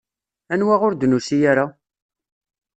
Anwa ur d-nusi ara?